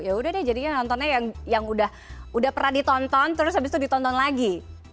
ya udah deh jadinya nontonnya yang udah pernah ditonton terus habis itu ditonton lagi